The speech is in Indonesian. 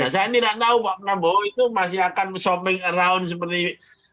saya tidak tahu pak prabowo itu masih akan shopping around seperti ini